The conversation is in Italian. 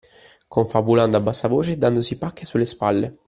Confabulando a bassa voce e dandosi pacche sulle spalle.